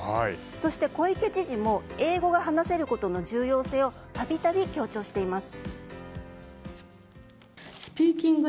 そして、小池知事も英語が話せることの重要性を度々、強調しています。